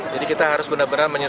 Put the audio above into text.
jadi kita harus benar benar mencari